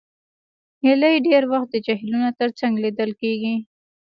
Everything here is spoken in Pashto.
هیلۍ ډېر وخت د جهیلونو تر څنګ لیدل کېږي